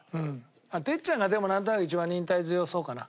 哲ちゃんがでもなんとなく一番忍耐強そうかな。